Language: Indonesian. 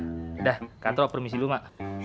udah katro permisi dulu mak